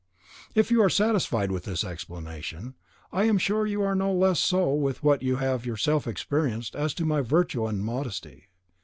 If you are satisfied with this explanation, I am sure you are no less so with what you have yourself experienced as to my virtue and modesty.